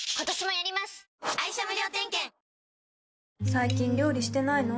最近料理してないの？